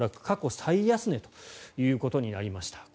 過去最安値ということになりました。